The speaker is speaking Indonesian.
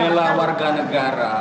membela warga negara